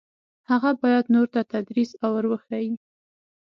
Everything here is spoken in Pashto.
هغه باید نورو ته تدریس او ور وښيي.